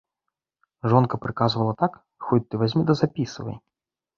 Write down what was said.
Жонка прыказвала так, хоць ты вазьмі ды запісвай.